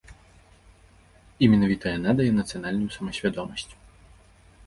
І менавіта яна дае нацыянальную самасвядомасць.